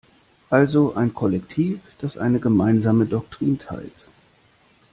Also ein Kollektiv, das eine gemeinsame Doktrin teilt.